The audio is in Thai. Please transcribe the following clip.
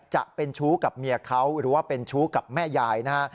จะเป็นชู้กับเมียเขาหรือว่าเป็นชู้กับแม่ยายนะฮะ